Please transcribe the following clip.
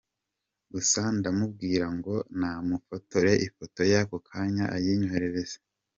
Gusa ndamubwira ngo namufotore ifoto y’ako kanya ayinyoherereze